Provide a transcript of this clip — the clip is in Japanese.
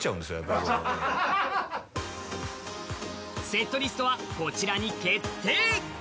セットリストはこちらに決定！